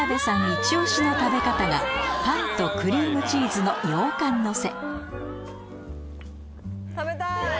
イチ押しの食べ方がパンとクリームチーズの羊羹のせ